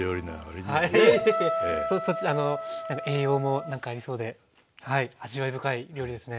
栄養もなんかありそうではい味わい深い料理ですね。